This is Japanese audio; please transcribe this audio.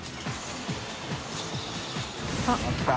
△来た。